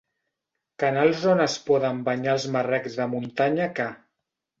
Canals on es poden banyar els marrecs de muntanya que.